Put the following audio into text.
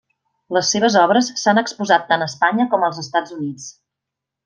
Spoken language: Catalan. Les seves obres s'han exposat tant a Espanya com als Estats Units.